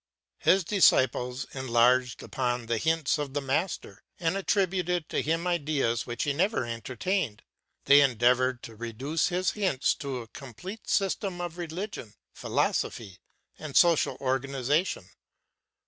His disciples enlarged upon the hints of the master, and attributed to him ideas which he never entertained. They endeavored to reduce his hints to a complete system of religion, philosophy, and social organization.